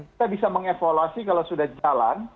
kita bisa mengevaluasi kalau sudah jalan